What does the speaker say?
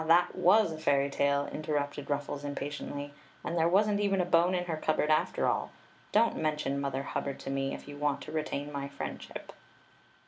that was a fairy tale," interrupted Ruffles, impatiently. "And there was n't even a bone in her Story of the Mag ic Cloak 13, cupboard, after all Don't mention Mother Hub bard to me, if you want to retain my friendship."